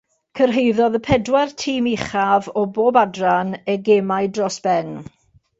Cyrhaeddodd y pedwar tîm uchaf o bob adran y gemau dros ben.